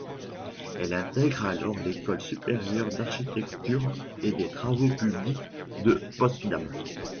Elle intègre alors l'école supérieure d'architecture et des travaux publics de Potsdam.